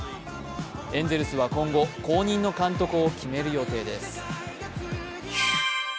エンゼルスは今後、公認の監督を決める予定です。